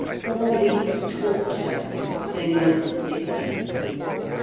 Four weeks' torture, tossing, and sickness!